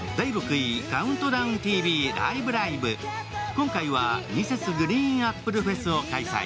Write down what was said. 今回はＭｒｓ．ＧＲＥＥＮＡＰＰＬＥフェスを開催。